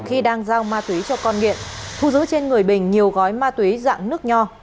khi đang giao ma túy cho con nghiện thu giữ trên người bình nhiều gói ma túy dạng nước nho